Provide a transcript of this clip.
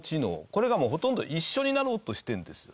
これがもうほとんど一緒になろうとしてるんですよね。